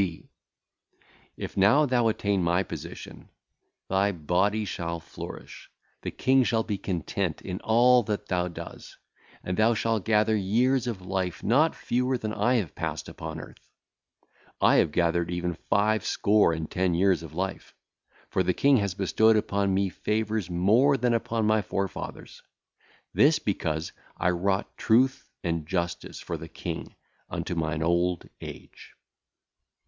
D. If now thou attain my position, thy body shall flourish, the King shall be content in all that thou doest, and thou shalt gather years of life not fewer than I have passed upon earth. I have gathered even fivescore and ten years of life, for the King hath bestowed upon me favours more than upon my forefathers; this because I wrought truth and justice for the King unto mine old age.